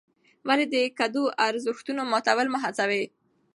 ولې د ګډو ارزښتونو ماتول مه هڅوې؟